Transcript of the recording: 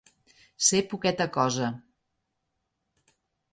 Ser poqueta cosa.